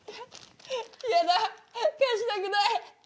嫌だ貸したくない。